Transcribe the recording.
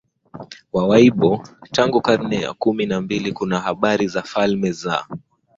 wa Waigbo Tangu karne ya kumi na mbili kuna habari za falme za